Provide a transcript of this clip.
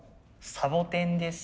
サボテンです。